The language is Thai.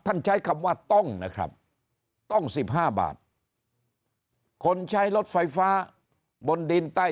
ใช้คำว่าต้องนะครับต้อง๑๕บาทคนใช้รถไฟฟ้าบนดินใต้